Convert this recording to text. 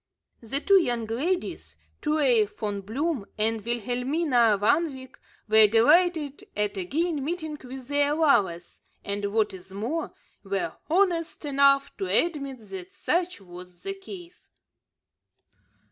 The two young ladies, Truey Von Bloom and Wilhelmina Van Wyk, were delighted at again meeting with their lovers, and, what is more, were honest enough to admit that such was the case.